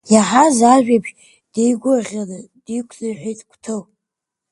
Иаҳаз ажәабжь деигәырӷьаны, диқәныҳәеит Қәҭыл.